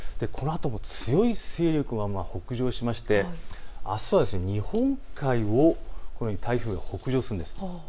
このあとも強い勢力のまま北上しまして、あすは日本海をこのように台風、北上するんです。